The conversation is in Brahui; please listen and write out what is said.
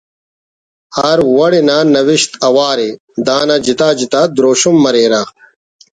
ہر وڑ انا نوشت اوار ءِ دانا جتا جتا دروشم مریرہ